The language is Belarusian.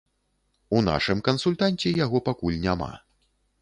У нашым кансультанце яго пакуль няма.